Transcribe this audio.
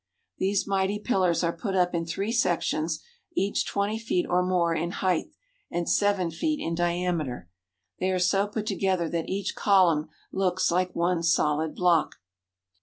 These mighty pillars are put up in three sections each twenty feet or more in height and seven feet in diameter. They are so put together that each column looks like one solid block.